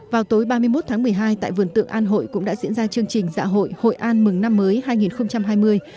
vào tối ba mươi một tháng một mươi hai tại vườn tượng an hội cũng đã diễn ra chương trình dạ hội hội an mừng năm mới hai nghìn hai mươi